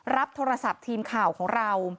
รับโทรศัพท์ทีมข่าวของเรา